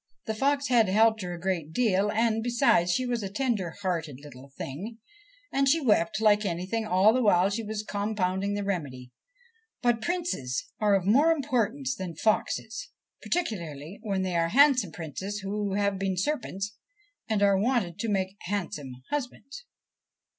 The fox had helped her a great deal ; and besides, she was a tender hearted little thing, and she wept like anything all the while she was com pounding the remedy ; but princes are of more importance than foxes, particularly when they are handsome princes who have been serpents and are wanted to make handsome husbands.